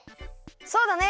そうだね！